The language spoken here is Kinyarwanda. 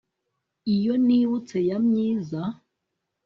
iyo nibutse ya myiza